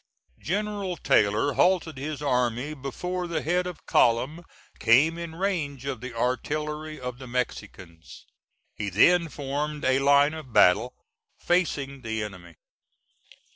General Taylor halted his army before the head of column came in range of the artillery of the Mexicans. He then formed a line of battle, facing the enemy.